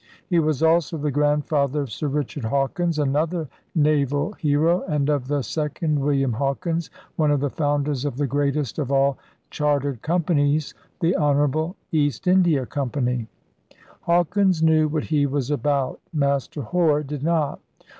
He was also the grand father of Sir Richard Hawkins, another naval LIFE AFLOAT IN TUDOR TIMES 35 hero, and of the second William Hawkins, one of the founders of the greatest of all char tered companies, the Honourable East India Company. Hawkins knew what he was about. 'Master Hore' did not.